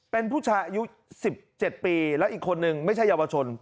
เป็นผู้ชายอายุ๑๗ปีแล้วอีกคนนึงไม่ใช่เยาวชน